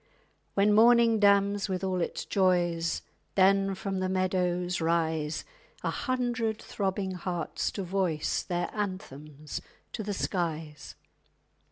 _ When morning damns with all its joys Then from the meadows rise A hundred throbbing hearts to voice _Their anthems to the skies.